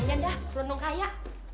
ayo ya udah burundung kaya